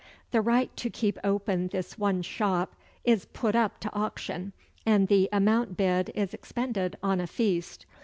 The right to keep open this one shop is put up to auction, and the amount bid is expended on a feast.